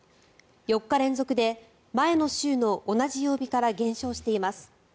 ４日連続で前の週の同じ曜日から減少しています。